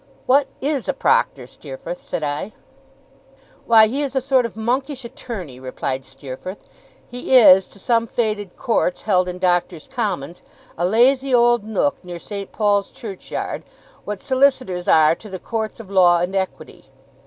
'What is a proctor, Steerforth?' said I. 'Why, he is a sort of monkish attorney,' replied Steerforth. 'He is, to some faded courts held in Doctors' Commons, a lazy old nook near St. Paul's Churchyard what solicitors are to the courts of law and equity.